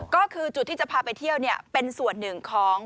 ก็คือจุดที่จะพาไปเที่ยวเป็นส่วนหนึ่งของ